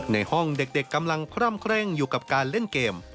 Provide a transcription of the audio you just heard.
ในห้องเด็กกำลังคร่ำเคร่งอยู่กับการเล่นเกม